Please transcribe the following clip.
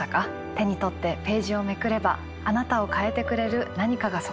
手に取ってページをめくればあなたを変えてくれる何かがそこにあるかもしれません。